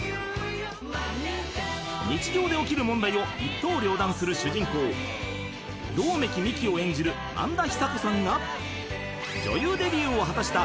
［日常で起きる問題を一刀両断する主人公百目鬼ミキを演じる萬田久子さんが女優デビューを果たした］